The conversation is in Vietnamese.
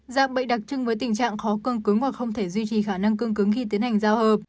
dạng bệnh đặc trưng với tình trạng khó cân cứng hoặc không thể duy trì khả năng cương cứng khi tiến hành giao hợp